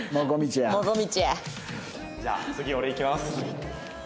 じゃあ次俺いきます。